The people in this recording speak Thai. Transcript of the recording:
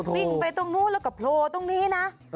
วิ่งไปตรงนู้นแล้วก็โผล่ตรงนี้นะ